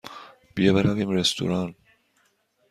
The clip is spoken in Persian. بیا برویم رستوران.